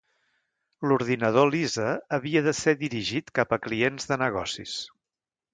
L'ordinador Lisa havia de ser dirigit cap a clients de negocis.